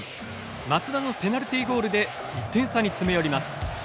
松田のペナルティゴールで１点差に詰め寄ります。